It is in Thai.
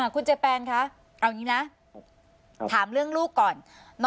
คุณเจแปนคะเอาอย่างนี้นะถามเรื่องลูกก่อน